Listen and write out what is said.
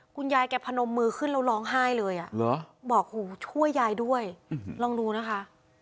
คุณยายแกพนมมือขึ้นแล้วร้องไห้เลยบอกหูช่วยยายด้วยลองดูนะคะ